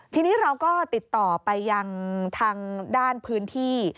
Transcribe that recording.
ทีนี้เราก็ติดต่อไปยังทางด้านพื้นที่